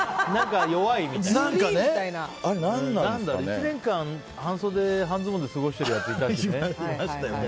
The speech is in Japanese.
１年間半袖半ズボンで過ごしてるやついたよね。